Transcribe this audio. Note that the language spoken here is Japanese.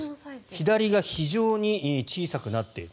左が非常に小さくなっている。